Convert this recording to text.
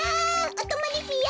おとまりぴよ！